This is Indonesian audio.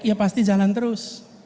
ya pasti jalan terus